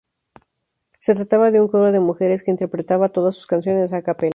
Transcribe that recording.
Se trataba de un coro de mujeres que interpretaba todas sus canciones a capella.